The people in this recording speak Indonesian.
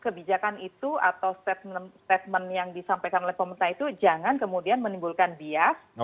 kebijakan itu atau statement yang disampaikan oleh pemerintah itu jangan kemudian menimbulkan bias